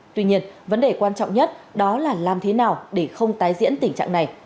tuy nhiên vấn đề quan trọng nhất đó là làm thế nào để không tái diễn tình trạng này